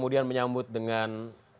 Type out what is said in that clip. bagaimana menyebut dengan